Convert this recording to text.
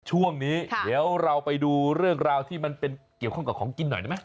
ช่วงนี้เดี๋ยวเราไปดูเรื่องราวที่มันเป็นเกี่ยวข้องกับของกินหน่อยได้ไหม